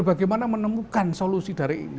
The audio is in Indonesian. bagaimana menemukan solusi dari ini